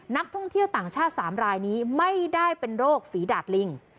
นักท่องเที่ยวต่างชาติ๓รายนี้ไม่ได้เป็นโรคฝีดาดลิง